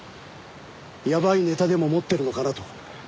やばいネタでも持ってるのかなと。